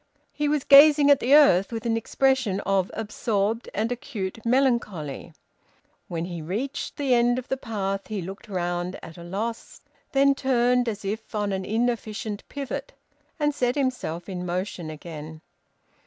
He was gazing at the earth with an expression of absorbed and acute melancholy. When he reached the end of the path, he looked round, at a loss, then turned, as if on an inefficient pivot, and set himself in motion again.